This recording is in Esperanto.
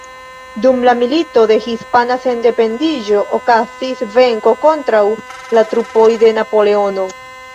Dum la Milito de Hispana Sendependiĝo okazis venko kontraŭ la trupoj de Napoleono.